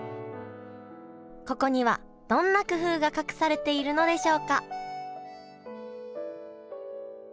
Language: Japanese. ここにはどんな工夫が隠されているのでしょうか？